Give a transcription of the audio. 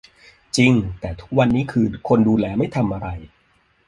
จริง แต่ทุกวันนี้คือ คนดูแลไม่ทำอะไร